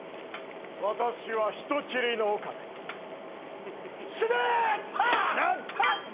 ・私は人斬りの岡部死ねー！